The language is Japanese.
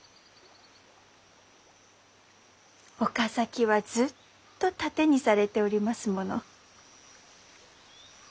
岡崎はずっと盾にされておりますもの。